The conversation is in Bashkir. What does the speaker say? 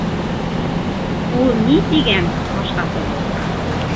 Ул ни тигән башҡа сығыу?